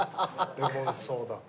レモンソーダ。